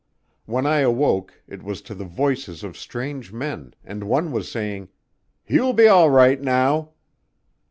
When I awoke it was to the voices of strange men, and one was saying: "He will be all right now."